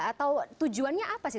atau tujuannya apa sih